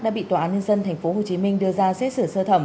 đã bị tòa án nhân dân tp hcm đưa ra xét xử sơ thẩm